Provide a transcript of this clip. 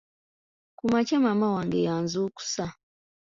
Ku makya maama wange yanzukusa.